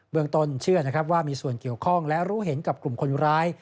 เมืองต้นเชื่อนะครับว่ามีส่วนเกี่ยวข้องและรู้เห็นกับกลุ่มคนร้าย